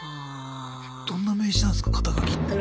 どんな名刺なんすか肩書って。